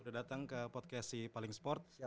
udah datang ke podcast si paling sport